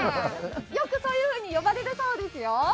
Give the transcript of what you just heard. よくそういうふうに呼ばれるそうですよ。